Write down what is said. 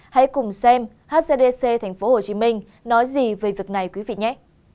hãy cùng xem hcdc tp hcm nói gì về việc này nhé